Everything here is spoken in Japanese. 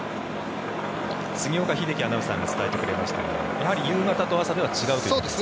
杉岡英樹アナウンサーが伝えてくれましたが夕方と朝では違うということですか。